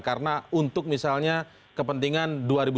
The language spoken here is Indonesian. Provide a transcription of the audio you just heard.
karena untuk misalnya kepentingan dua ribu sembilan belas